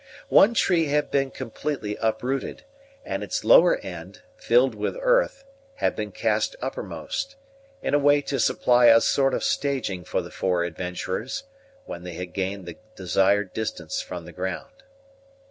One tree had been completely uprooted, and its lower end, filled with earth, had been cast uppermost, in a way to supply a sort of staging for the four adventurers, when they had gained the desired distance from the ground.